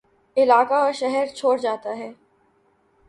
علاقہ اور شہرچھوڑ جاتا ہے